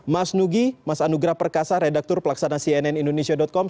mas nugi mas anugrah perkasa redaktur pelaksana cnn indonesia com